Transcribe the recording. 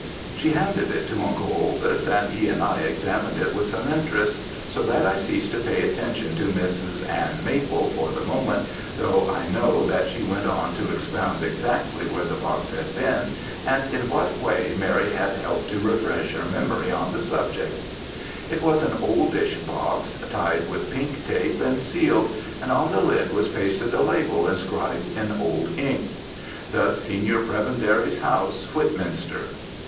She handed it to Uncle Oldys, and he and I examined it with some interest, so that I ceased to pay attention to Mrs. Ann Maple for the moment, though I know that she went on to expound exactly where the box had been, and in what way Mary had helped to refresh her memory on the subject. "It was an oldish box, tied with pink tape and sealed, and on the lid was pasted a label inscribed in old ink, 'The Senior Prebendary's House, Whitminster.'